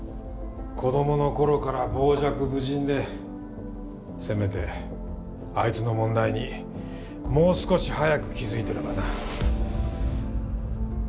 子どもの頃から傍若無人でせめてあいつの問題にもう少し早く気付いていればな。